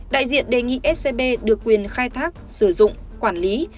đại diện đề nghị scb được quyền khai thác sử dụng quản lý